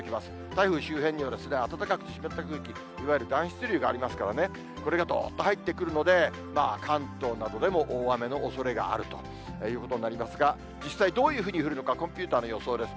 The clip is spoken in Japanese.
台風周辺には暖かく湿った空気、いわゆるがありますからね、これがどっと入ってくるので、関東などでも大雨のおそれがあるということになりますが、実際、どういうふうに降るのかコンピューターの予想です。